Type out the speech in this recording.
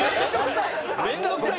面倒くさい？